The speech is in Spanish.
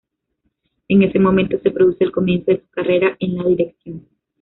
En ese momento se produce el comienzo de su carrera en la dirección.